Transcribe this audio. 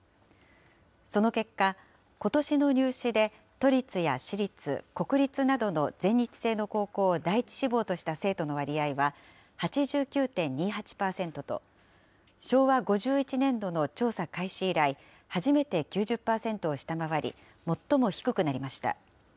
その結果、ことしの入試で都立や私立、国立などの全日制の高校を第１志望とした生徒の割合は８９．２８％と、昭和５１年度の調査開始以来、初めて９０％を下回り、最も低くなりました。